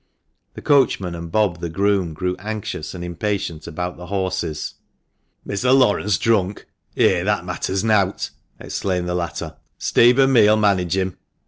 The coachman and Bob the groom grew anxious and impatient about the horses. " Mr. Laurence drunk ? Eh ! that matters nowt !" exclaimed the latter. " Steve an' me '11 manage him."